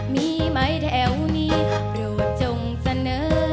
มีไหมแถวนี้โปรดจงเสนอ